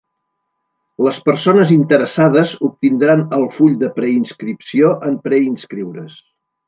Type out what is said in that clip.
Les persones interessades obtindran el full de preinscripció en preinscriure's.